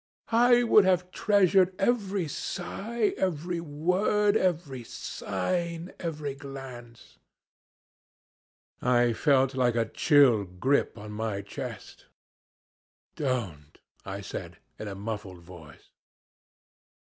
I would have treasured every sigh, every word, every sign, every glance.' "I felt like a chill grip on my chest. 'Don't,' I said, in a muffled voice.